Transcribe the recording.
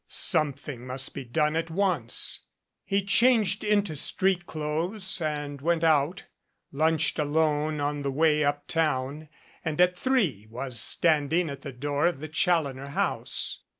Something must be done at once. He changed into street clothes and went out, lunched alone on the way uptown and at three was standing at the door of the Challoner house.